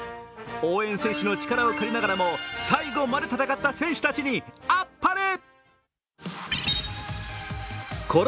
応援選手の力を借りながらも最後まで戦った選手たちにあっぱれ！